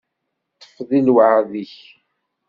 Ṭṭef deg lweɛd-ik.